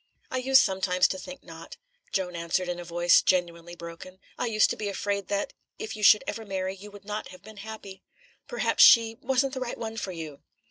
"I used sometimes to think not," Joan answered in a voice genuinely broken. "I used to be afraid that if you should ever marry you would not have been happy. Perhaps she wasn't the right one for you."